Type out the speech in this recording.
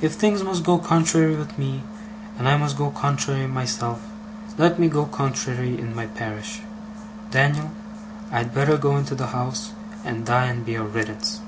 If thinks must go contrary with me, and I must go contrary myself, let me go contrary in my parish. Dan'l, I'd better go into the house, and die and be a riddance!